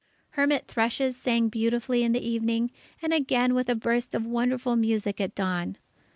Hermit thrushes sang beautifully in the evening, and again with a burst of wonderful music at dawn.